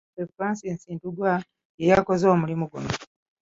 Omusasi waffe Francis Ndugwa yeyakoze omulimu guno.